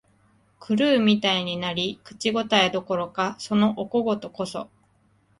狂うみたいになり、口応えどころか、そのお小言こそ、